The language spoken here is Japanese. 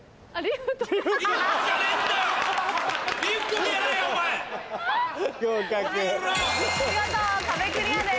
見事壁クリアです！